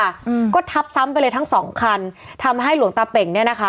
อืมก็ทับซ้ำไปเลยทั้งสองคันทำให้หลวงตาเป่งเนี้ยนะคะ